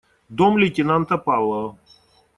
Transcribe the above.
Дом лейтенанта Павлова.